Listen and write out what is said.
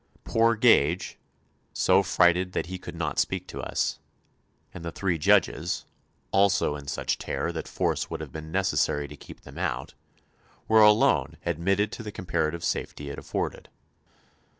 Poor Gage "so frighted that he could not speak to us" and the three judges, also in such terror that force would have been necessary to keep them out, were alone admitted to the comparative safety it afforded.